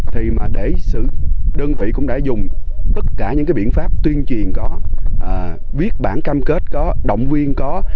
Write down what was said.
thì để đơn vị cũng đã dùng tất cả những cái biện pháp tuyên truyền có viết bản cam kết có động viên có